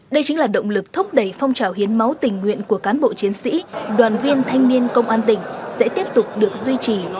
đây chính là động lực thúc đẩy phong trào hiến máu tình nguyện của cán bộ chiến sĩ đoàn viên thanh niên công an tỉnh sẽ tiếp tục được duy trì